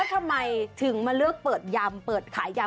และทำไมถึงมาเลือกเปิดยำเขายำ